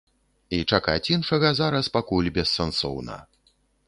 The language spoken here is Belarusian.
І чакаць іншага зараз пакуль бессэнсоўна.